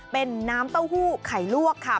เป็นน้ำเต้าหู้ไข่ลวกค่ะ